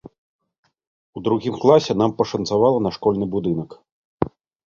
У другім класе нам пашанцавала на школьны будынак.